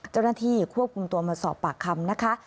เจ้าหน้าที่ควบคุมตัวมาสอบปากคำนะคะ